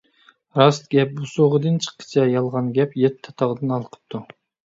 راست گەپ بۇسۇغىدىن چىققىچە، يالغان گەپ يەتتە تاغدىن ھالقىپتۇ.